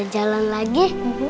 bisa jalan lagi